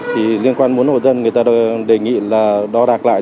thì liên quan muốn hộ dân người ta đề nghị là đo đạc lại